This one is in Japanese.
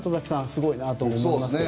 すごいなと思いますけどね。